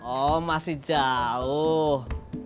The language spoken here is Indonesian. oh masih jauh